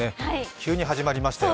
急に始まりましたよ。